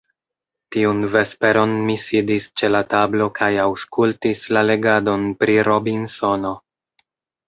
Tiun vesperon mi sidis ĉe la tablo kaj aŭskultis la legadon pri Robinsono.